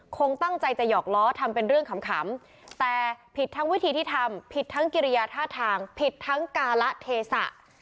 คงตั้งใจจะหอกล้อทำเป็นเรื่องขำแต่ผิดทั้งวิธีที่ทำผิดทั้งกิริยาท่าทางผิดทั้งการละเทศะ